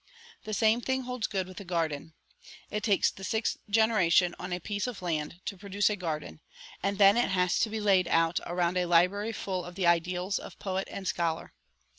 The same thing holds good with a garden. It takes the sixth generation on a piece of land to produce a garden, and then it has to be laid out around a library full of the ideals of poet and scholar.